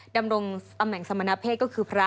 ดำรงแม่งสมนเพศก็คือพระ